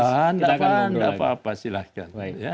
ya tidak apa apa silahkan